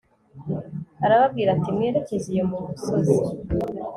arababwira ati mwerekeze iyo mu misozi